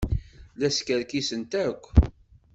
La skerkisent akk.